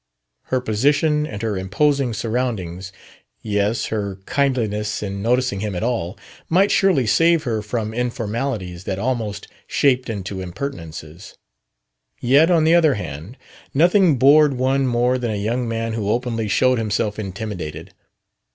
Her position and her imposing surroundings yes, her kindliness in noticing him at all might surely save her from informalities that almost shaped into impertinences. Yet, on the other hand, nothing bored one more than a young man who openly showed himself intimidated.